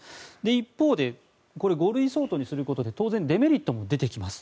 一方でこれ５類相当にすることで当然、デメリットも出てきます。